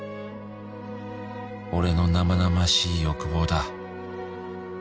「俺の生々しい欲望だ」